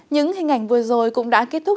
những hình ảnh vừa rồi cũng đã kết thúc